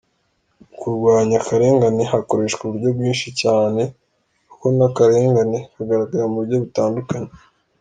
Mu kurwanya akarengane hakoreshwa uburyo bwinshi cyane kuko n’akarengane kagaragara mu buryo butandukanye.